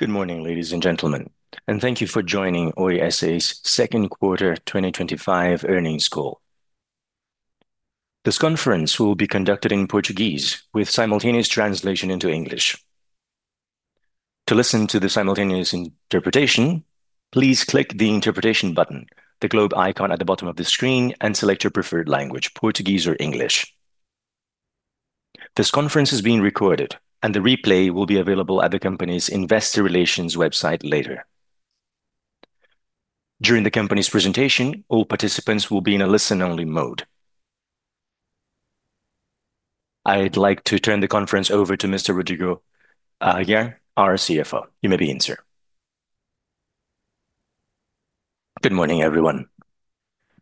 Good morning, ladies and gentlemen, and thank you for joining Oi S.A.'s Second Quarter 2025 Earnings Call. This conference will be conducted in Portuguese with simultaneous translation into English. To listen to the simultaneous interpretation, please click the interpretation button, the globe icon at the bottom of the screen, and select your preferred language, Portuguese or English. This conference is being recorded, and the replay will be available at the company's Investor Relations website later. During the company's presentation, all participants will be in a listen-only mode. I'd like to turn the conference over to Mr. Rodrigo Aguiar, our Chief Financial Officer. You may begin, sir. Good morning, everyone,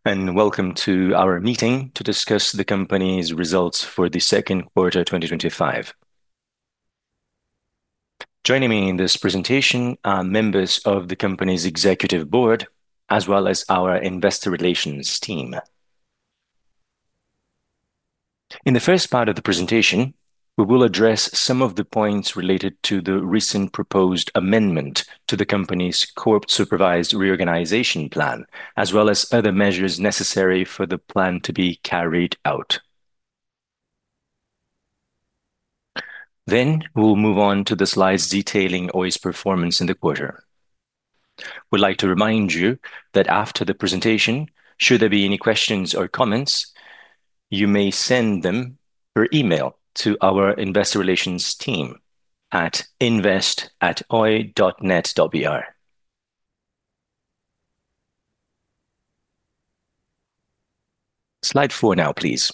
and welcome to our meeting to discuss the company's results for the second quarter 2025. Joining me in this presentation are members of the company's Executive Board, as well as our Investor Relations team. In the first part of the presentation, we will address some of the points related to the recent proposed amendment to the company's court-supervised reorganization plan, as well as other measures necessary for the plan to be carried out. We will move on to the slides detailing Oi S.A.'s performance in the quarter. We'd like to remind you that after the presentation, should there be any questions or comments, you may send them per email to our investor relations team at invest@oi.net.br. Slide four now, please.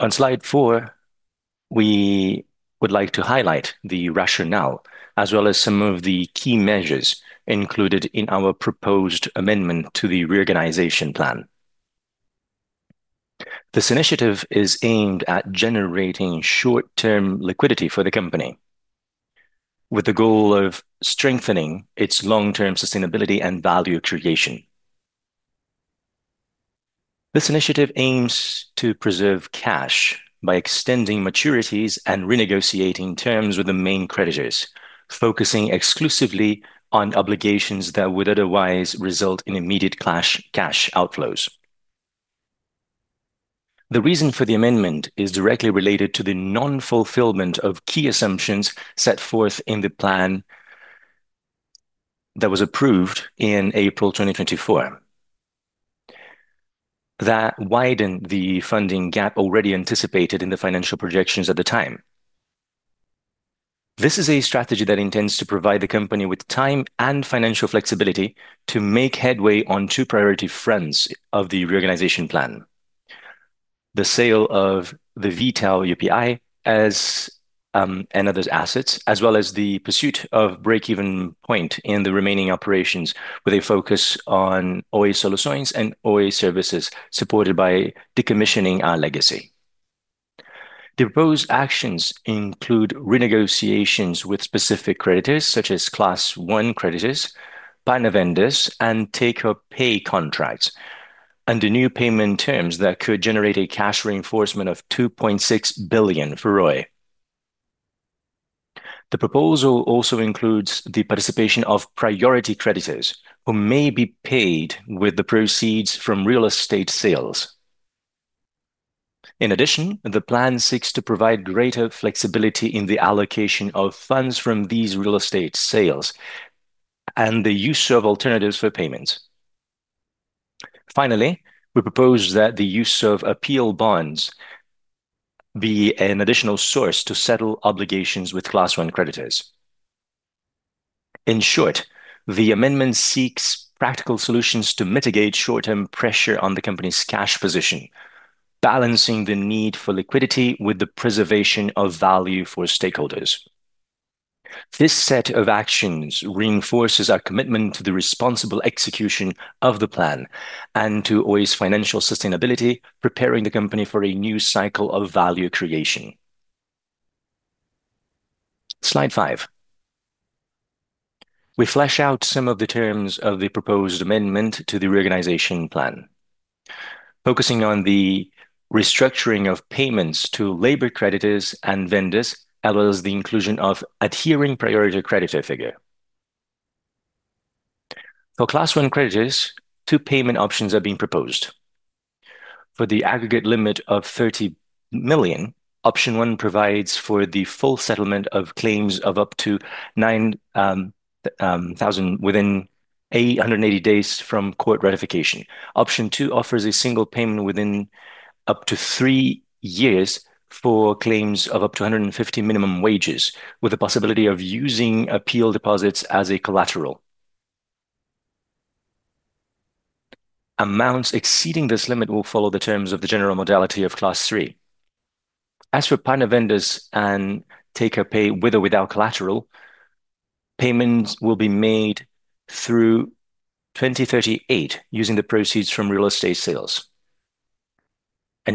On slide four, we would like to highlight the rationale as well as some of the key measures included in our proposed amendment to the reorganization plan. This initiative is aimed at generating short-term liquidity for the company, with the goal of strengthening its long-term sustainability and value creation. This initiative aims to preserve cash by extending maturities and renegotiating terms with the main creditors, focusing exclusively on obligations that would otherwise result in immediate cash outflows. The reason for the amendment is directly related to the non-fulfillment of key assumptions set forth in the plan that was approved in April 2024. That widened the funding gap already anticipated in the financial projections at the time. This is a strategy that intends to provide the company with time and financial flexibility to make headway on two priority fronts of the reorganization plan: the sale of the V.tal UPI as another asset, as well as the pursuit of break-even point in the remaining operations with a focus on Oi Solutions and Oi Services supported by decommissioning our legacy. The proposed actions include renegotiations with specific creditors, such as class one creditors, panavendors, and taker-pay contracts, and the new payment terms that could generate a cash reinforcement of BRL 2.6 billion for Oi. The proposal also includes the participation of priority creditors who may be paid with the proceeds from real estate sales. In addition, the plan seeks to provide greater flexibility in the allocation of funds from these real estate sales and the use of alternatives for payments. Finally, we propose that the use of appeal bonds be an additional source to settle obligations with class one creditors. In short, the amendment seeks practical solutions to mitigate short-term pressure on the company's cash position, balancing the need for liquidity with the preservation of value for stakeholders. This set of actions reinforces our commitment to the responsible execution of the plan and to Oi's financial sustainability, preparing the company for a new cycle of value creation. Slide five. We flesh out some of the terms of the proposed amendment to the reorganization plan, focusing on the restructuring of payments to labor creditors and vendors, as well as the inclusion of adhering priority creditor figure. For class one creditors, two payment options are being proposed. For the aggregate limit of 30 million, option one provides for the full settlement of claims of up to 9,000 within 880 days from court ratification. Option two offers a single payment within up to three years for claims of up to 150 minimum wages, with the possibility of using appeal deposits as collateral. Amounts exceeding this limit will follow the terms of the general modality of class three. As for panavendors and taker-pay with or without collateral, payments will be made through 2038 using the proceeds from real estate sales.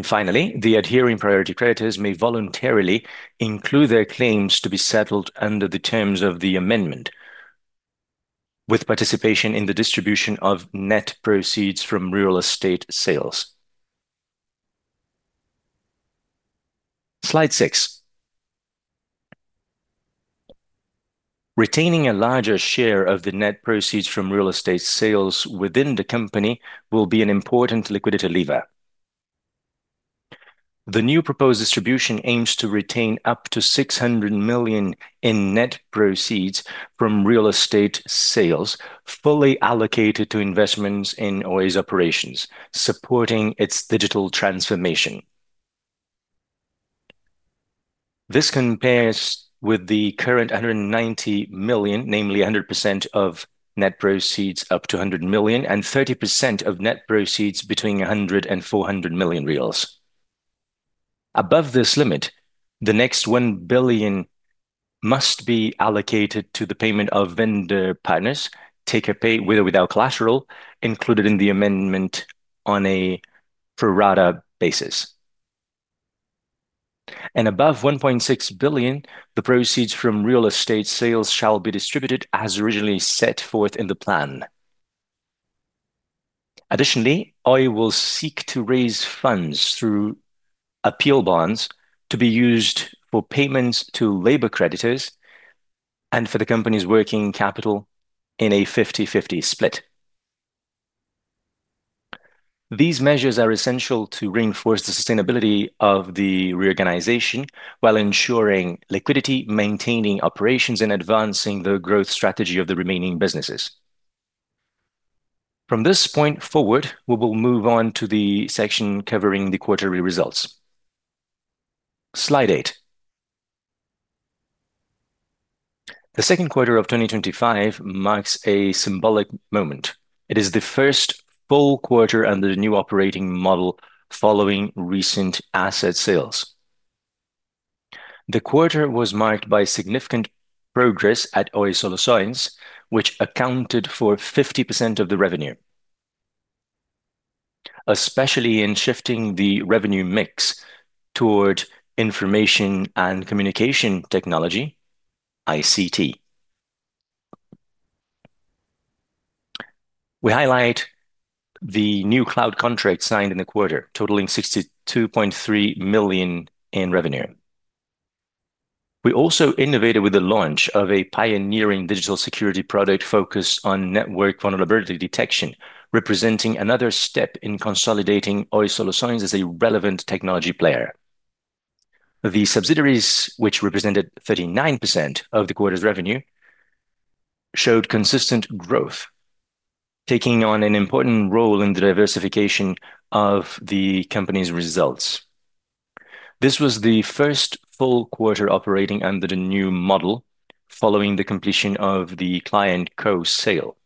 Finally, the adhering priority creditors may voluntarily include their claims to be settled under the terms of the amendment, with participation in the distribution of net proceeds from real estate sales. Slide six. Retaining a larger share of the net proceeds from real estate sales within the company will be an important liquidity lever. The new proposed distribution aims to retain up to 600 million in net proceeds from real estate sales, fully allocated to investments in Oi S.A.'s operations, supporting its digital transformation. This compares with the current 190 million, namely 100% of net proceeds up to 100 million and 30% of net proceeds between 100 million reais and 400 million reais. Above this limit, the next 1 billion must be allocated to the payment of vendor partners, taker-pay with or without collateral, included in the amendment on a pro-rata basis. Above 1.6 billion, the proceeds from real estate sales shall be distributed as originally set forth in the plan. Additionally, Oi S.A. will seek to raise funds through appeal bonds to be used for payments to labor creditors and for the company's working capital in a 50/50 split. These measures are essential to reinforce the sustainability of the reorganization while ensuring liquidity, maintaining operations, and advancing the growth strategy of the remaining businesses. From this point forward, we will move on to the section covering the quarterly results. Slide eight. The second quarter of 2025 marks a symbolic moment. It is the first full quarter under the new operating model following recent asset sales. The quarter was marked by significant progress at Oi Solutions, which accounted for 50% of the revenue, especially in shifting the revenue mix toward information and communication technology, ICT. We highlight the new cloud contract signed in the quarter, totaling 62.3 million in revenue. We also innovated with the launch of a pioneering digital security product focused on network vulnerability detection, representing another step in consolidating Oi Solutions as a relevant technology player. The subsidiaries, which represented 39% of the quarter's revenue, showed consistent growth, taking on an important role in the diversification of the company's results. This was the first full quarter operating under the new model, following the completion of the ClientCo sale.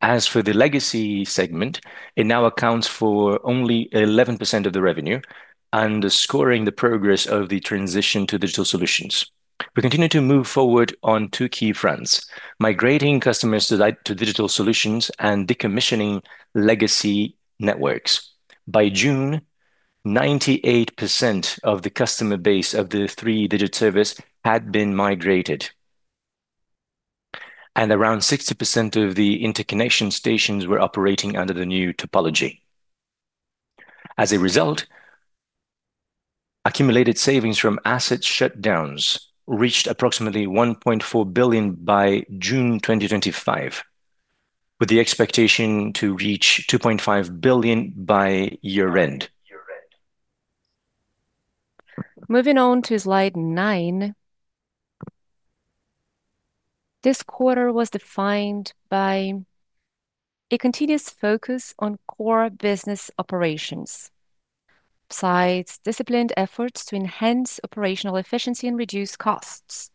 As for the legacy segment, it now accounts for only 11% of the revenue and is scoring the progress of the transition to digital solutions. We continue to move forward on two key fronts: migrating customers to digital solutions and decommissioning legacy networks. By June, 98% of the customer base of the three-digit service had been migrated, and around 60% of the interconnection stations were operating under the new topology. As a result, accumulated savings from asset shutdowns reached approximately 1.4 billion by June 2025, with the expectation to reach 2.5 billion by year-end. Moving on to slide nine, this quarter was defined by a continuous focus on core business operations, besides disciplined efforts to enhance operational efficiency and reduce costs.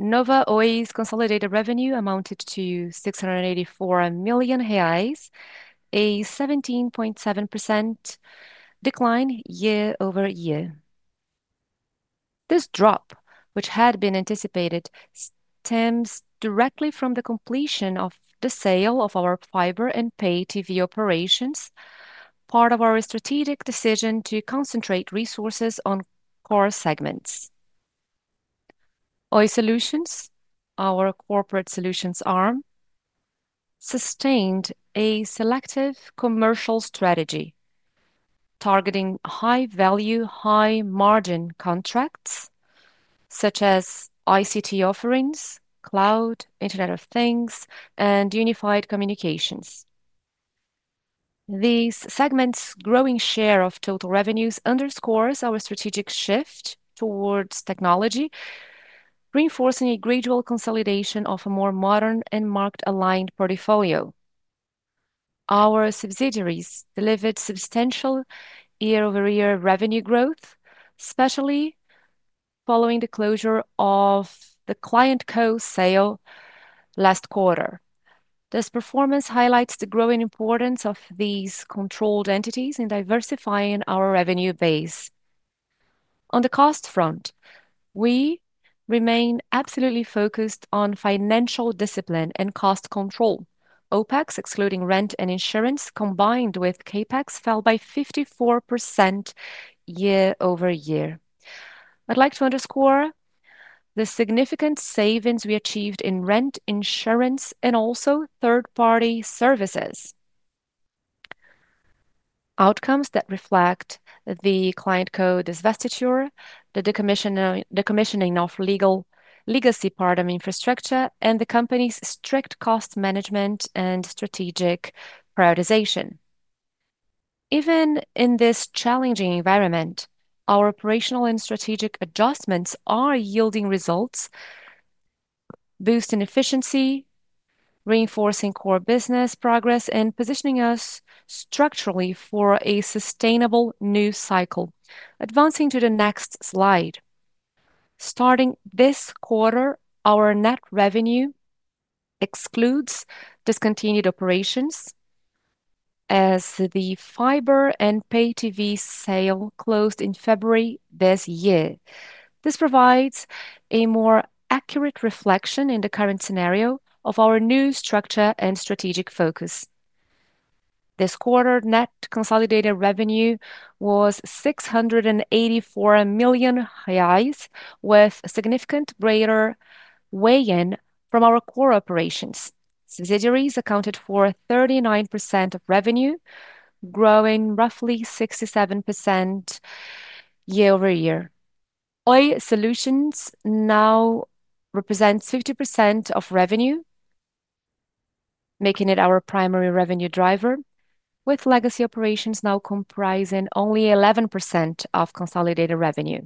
Oi S.A.'s consolidated revenue amounted to 684 million reais, a 17.7% decline year over year. This drop, which had been anticipated, stems directly from the completion of the sale of our fiber and pay TV businesses, part of our strategic decision to concentrate resources on core segments. Oi Solutions, our corporate solutions arm, sustained a selective commercial strategy targeting high-value, high-margin contracts such as ICT services, cloud contracts, Internet of Things, and unified communications. These segments' growing share of total revenues underscores our strategic shift towards technology, reinforcing a gradual consolidation of a more modern and market-aligned portfolio. Our subsidiaries delivered substantial year-over-year revenue growth, especially following the closure of the ClientCo sale last quarter. This performance highlights the growing importance of these controlled entities in diversifying our revenue base. On the cost front, we remain absolutely focused on financial discipline and cost control. OpEx, excluding rent and insurance, combined with CapEx, fell by 54% year -over -year. I'd like to underscore the significant savings we achieved in rent, insurance, and also third-party services, outcomes that reflect the ClientCo divestiture, the decommissioning of legacy networks, and the company's strict cost management and strategic prioritization. Even in this challenging environment, our operational and strategic adjustments are yielding results, boosting efficiency, reinforcing core business progress, and positioning us structurally for a sustainable new cycle. Advancing to the next slide, starting this quarter, our net revenue excludes discontinued operations as the fiber and pay TV sale closed in February this year. This provides a more accurate reflection in the current scenario of our new structure and strategic focus. This quarter's net consolidated revenue was 684 million reais, with a significant greater weigh-in from our core operations. Subsidiaries accounted for 39% of revenue, growing roughly 67% year -over -year. Oi Solutions now represent 50% of revenue, making it our primary revenue driver, with legacy operations now comprising only 11% of consolidated revenue.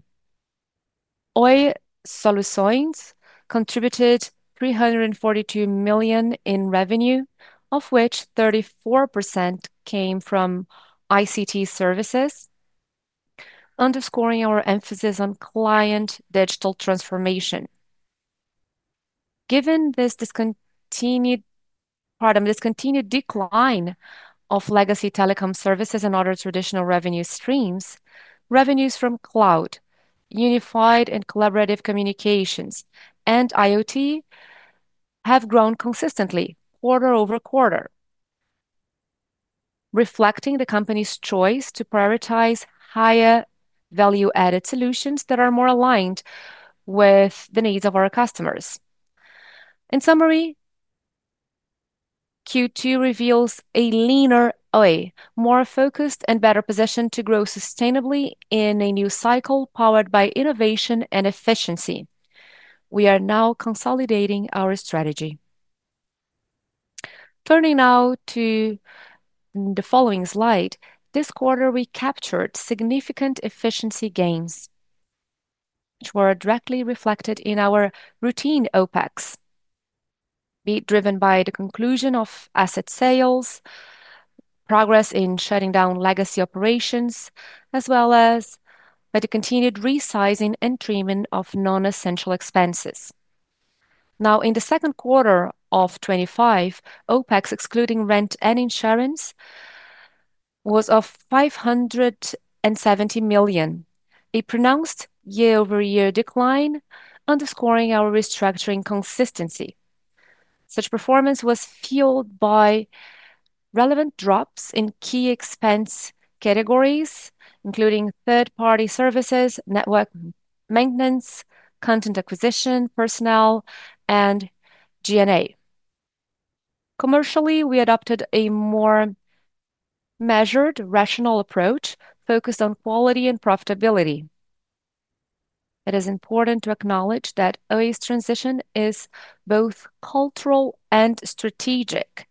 Oi Solutions contributed 342 million in revenue, of which 34% came from ICT services, underscoring our emphasis on client digital transformation. Given this continued decline of legacy telecom services and other traditional revenue streams, revenues from cloud, unified and collaborative communications, and IoT have grown consistently, quarter -over -quarter, reflecting the company's choice to prioritize higher value-added solutions that are more aligned with the needs of our customers. In summary, Q2 reveals a leaner Oi, more focused and better positioned to grow sustainably in a new cycle powered by innovation and efficiency. We are now consolidating our strategy. Turning now to the following slide, this quarter we captured significant efficiency gains, which were directly reflected in our routine OpEx, driven by the conclusion of asset sales, progress in shutting down legacy operations, as well as the continued resizing and trimming of non-essential expenses. In the second quarter of 2025, OpEx, excluding rent and insurance, was 570 million, a pronounced year-over-year decline, underscoring our restructuring consistency. Such performance was fueled by relevant drops in key expense categories, including third-party services, network maintenance, content acquisition, personnel, and G&A. Commercially, we adopted a more measured, rational approach focused on quality and profitability. It is important to acknowledge that Oi's transition is both cultural and strategic.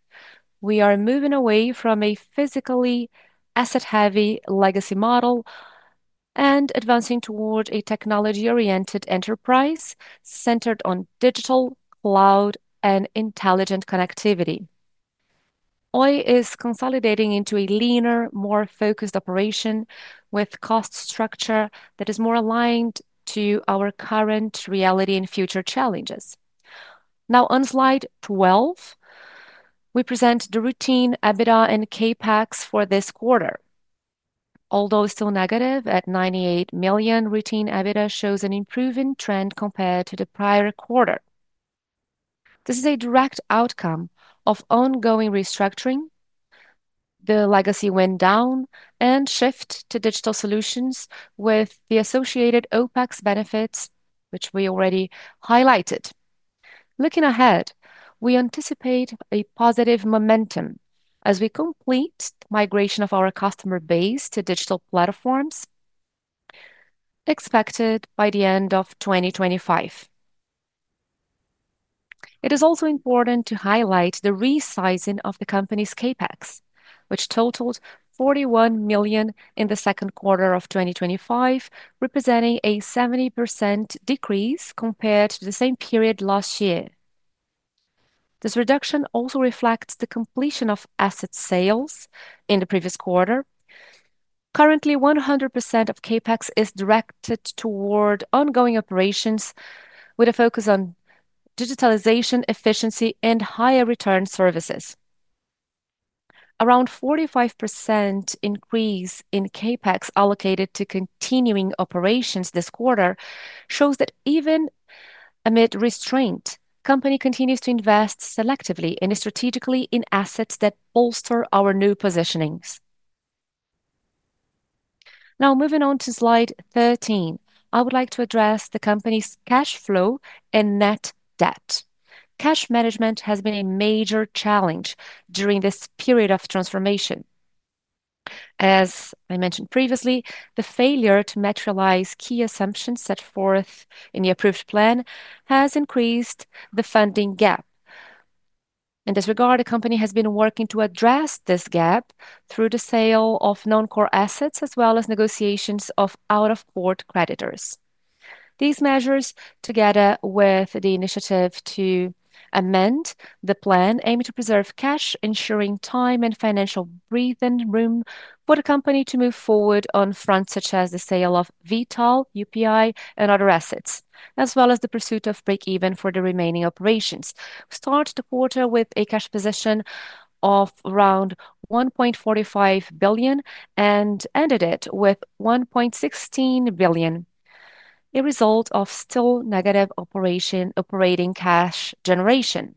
We are moving away from a physically asset-heavy legacy model and advancing toward a technology-oriented enterprise centered on digital, cloud, and intelligent connectivity. Oi is consolidating into a leaner, more focused operation with a cost structure that is more aligned to our current reality and future challenges. On slide 12, we present the routine EBITDA and CapEx for this quarter. Although still negative at 98 million, routine EBITDA shows an improving trend compared to the prior quarter. This is a direct outcome of ongoing restructuring. The legacy went down and shift to digital solutions with the associated OpEx benefits, which we already highlighted. Looking ahead, we anticipate a positive momentum as we complete the migration of our customer base to digital platforms expected by the end of 2025. It is also important to highlight the resizing of the company's CapEx, which totaled 41 million in the second quarter of 2025, representing a 70% decrease compared to the same period last year. This reduction also reflects the completion of asset sales in the previous quarter. Currently, 100% of CapEx is directed toward ongoing operations with a focus on digitalization, efficiency, and higher return services. Around a 45% increase in CapEx allocated to continuing operations this quarter shows that even amid restraint, the company continues to invest selectively and strategically in assets that bolster our new positionings. Now, moving on to slide 13, I would like to address the company's cash flow and net debt. Cash management has been a major challenge during this period of transformation. As I mentioned previously, the failure to materialize key assumptions set forth in the approved plan has increased the funding gap. In this regard, the company has been working to address this gap through the sale of non-core assets, as well as negotiations of out-of-board creditors. These measures, together with the initiative to amend the plan, aim to preserve cash, ensuring time and financial breathing room for the company to move forward on fronts such as the sale of V.tal UPI and other assets, as well as the pursuit of break-even for the remaining operations. We started the quarter with a cash position of around 1.45 billion and ended it with 1.16 billion, a result of still negative operating cash generation.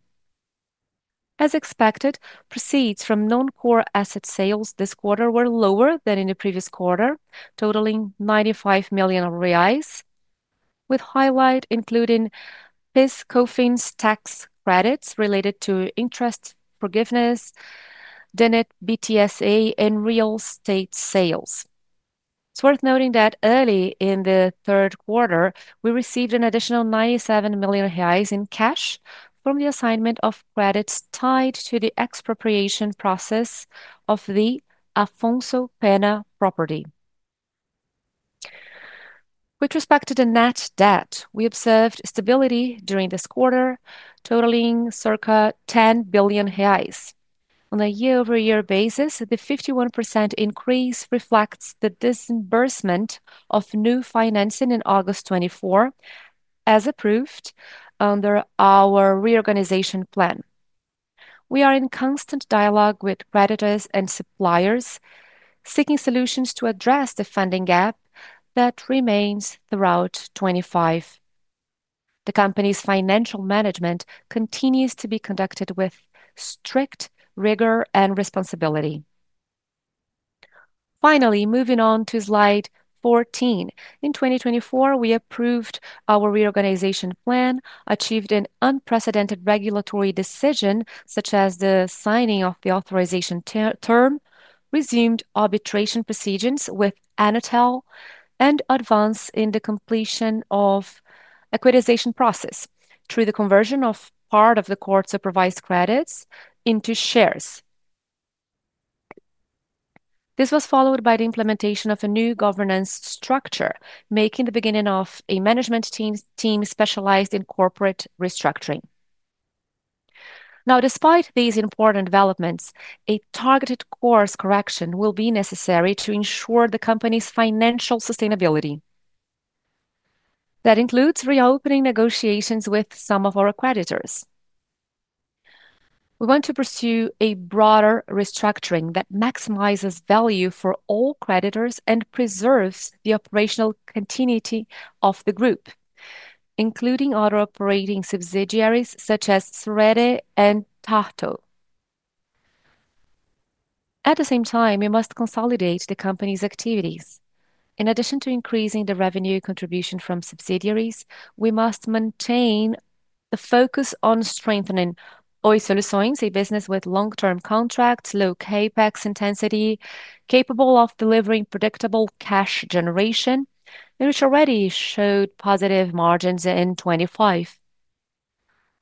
As expected, proceeds from non-core asset sales this quarter were lower than in the previous quarter, totaling 95 million reais, with highlights including fiscal fees, tax credits related to interest forgiveness, BTSA, and real estate sales. It's worth noting that early in the third quarter, we received an additional 97 million reais in cash from the assignment of credits tied to the expropriation process of the Afonso Pena property. With respect to the net debt, we observed stability during this quarter, totaling circa 10 billion reais. On a year-over-year basis, the 51% increase reflects the disbursement of new financing in August 2024 as approved under our reorganization plan. We are in constant dialogue with creditors and suppliers, seeking solutions to address the funding gap that remains throughout 2025. The company's financial management continues to be conducted with strict rigor and responsibility. Finally, moving on to slide 14, in 2024, we approved our reorganization plan, achieved an unprecedented regulatory decision, such as the signing of the authorization term, resumed arbitration proceedings with ANATEL and advanced in the completion of the equitization process through the conversion of part of the court-supervised credits into shares. This was followed by the implementation of a new governance structure, making the beginning of a management team specialized in corporate restructuring. Now, despite these important developments, a targeted course correction will be necessary to ensure the company's financial sustainability. That includes reopening negotiations with some of our creditors. We want to pursue a broader restructuring that maximizes value for all creditors and preserves the operational continuity of the group, including other operating subsidiaries such as Cerede and Tartu. At the same time, we must consolidate the company's activities. In addition to increasing the revenue contribution from subsidiaries, we must maintain the focus on strengthening Oi Solutions, a business with long-term contracts, low CapEx intensity, capable of delivering predictable cash generation, which already showed positive margins in 2025.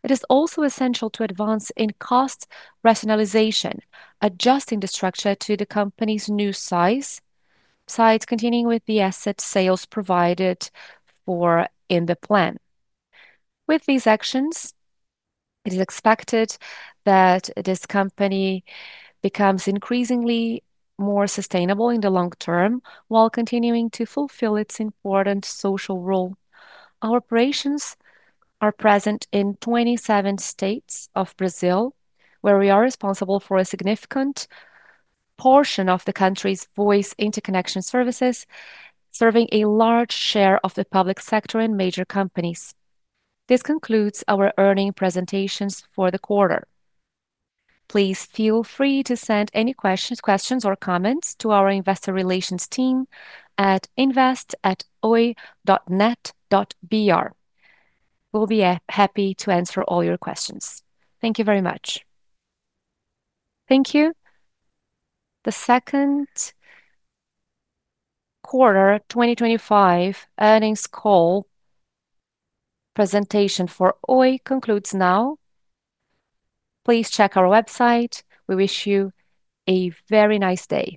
It is also essential to advance in cost rationalization, adjusting the structure to the company's new size, continuing with the asset sales provided for in the plan. With these actions, it is expected that this company becomes increasingly more sustainable in the long term while continuing to fulfill its important social role. Our operations are present in 27 states of Brazil, where we are responsible for a significant portion of the country's voice interconnection services, serving a large share of the public sector and major companies. This concludes our earnings presentations for the quarter. Please feel free to send any questions or comments to our investor relations team at invest@oi.net.br. We'll be happy to answer all your questions. Thank you very much. Thank you. The Second Quarter 2025 Earnings Call Presentation for Oi concludes now. Please check our website. We wish you a very nice day.